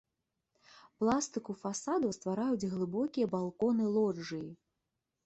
Пластыку фасадаў ствараюць глыбокія балконы-лоджыі.